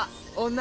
女！